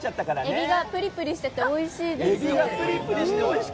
エビがぷりぷりしてておいしいです。